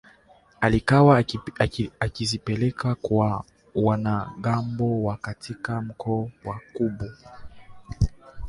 alikuwa akizipeleka kwa wanamgambo wa katika mkoa wa Kobu